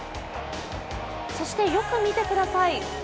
そして、よく見てください